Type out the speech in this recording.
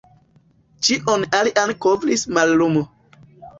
Ĉion alian kovris mallumo.